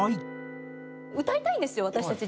歌いたいんですよ私たち。